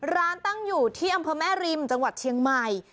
ตั้งอยู่ที่อำเภอแม่ริมจังหวัดเชียงใหม่